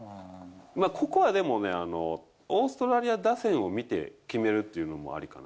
ここはでもね、オーストラリア打線を見て決めるというのもありかな。